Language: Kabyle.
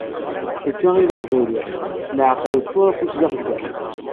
Akka i d aqbayli, leεqel yeččur afus d axeddam.